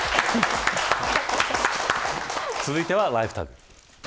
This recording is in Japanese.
続いてはＬｉｆｅＴａｇ。